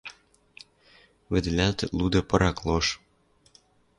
Вӹдӹлӓлтӹт луды пырак лош...